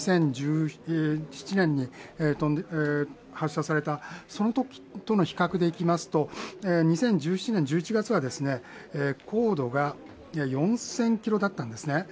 １５、２０１７年に発射された、そのときとの比較でいきますと、２０１７年１１月は高度が４０００ｋｍだったんですね。